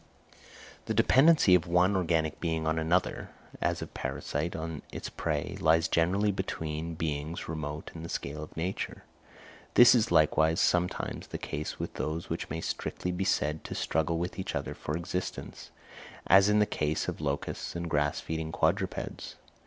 The dependency of one organic being on another, as of a parasite on its prey, lies generally between beings remote in the scale of nature. This is likewise sometimes the case with those which may strictly be said to struggle with each other for existence, as in the case of locusts and grass feeding quadrupeds.